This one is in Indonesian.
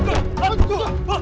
jauh jauh jauh jauh